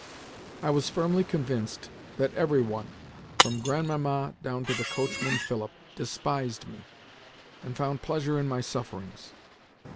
I was firmly convinced that every one, from Grandmamma down to the coachman Philip, despised me, and found pleasure in my sufferings.